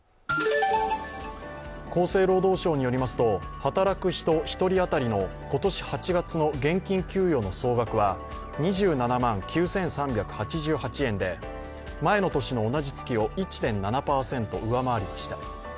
厚生労働省によりますと、働く人１人当たりの今年８月の現金給与の総額は２７万９３８８円で、前の年の同じ月を１．７％上回りました。